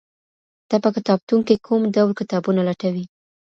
ته په کتابتون کي کوم ډول کتابونه لټوې؟